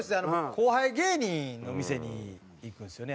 後輩芸人の店に行くんですよね。